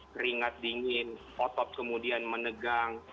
keringat dingin otot kemudian menegang